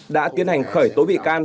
đã tiến hành khởi tối bị can